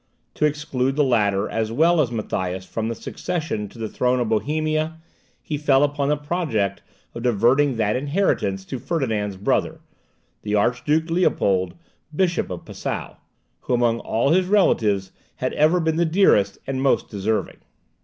To exclude the latter as well as Matthias from the succession to the throne of Bohemia, he fell upon the project of diverting that inheritance to Ferdinand's brother, the Archduke Leopold, Bishop of Passau, who among all his relatives had ever been the dearest and most deserving.